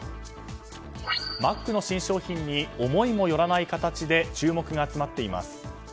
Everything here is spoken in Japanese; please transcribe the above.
マックの新商品に思いもよらない形で注目が集まっています。